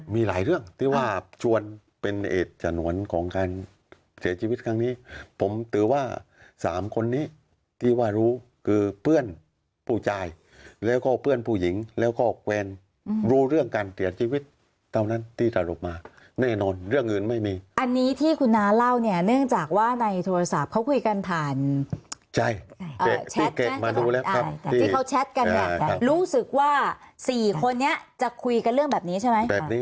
มีหลายเรื่องที่ว่าชวนเป็นเหตุจันหวนของการเสียชีวิตของการเสียชีวิตของการเสียชีวิตของการเสียชีวิตของการเสียชีวิตของการเสียชีวิตของการเสียชีวิตของการเสียชีวิตของการเสียชีวิตของการเสียชีวิตของการเสียชีวิตของการเสียชีวิตของการเสียชีวิตของการเสียชีวิตของการเสียชีวิตของการเสียชีวิต